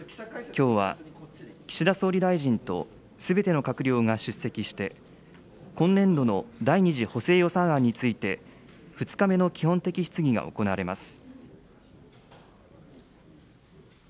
きょうは岸田総理大臣とすべての閣僚が出席して、今年度の第２次補正予算案について、２日目の基本的質疑が行われます。